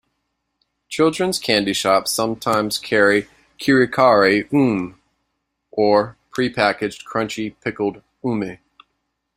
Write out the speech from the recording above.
Children's candy shops sometimes carry "karikari ume", or prepackaged, crunchy pickled ume.